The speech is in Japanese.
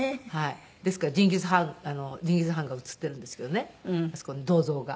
ですからチンギス・ハンが写っているんですけどねあそこの銅像が。